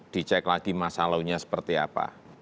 dicek lagi masalahnya seperti apa